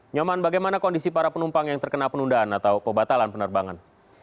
nyoman bagaimana kondisi para penumpang yang terkena penundaan atau pembatalan penerbangan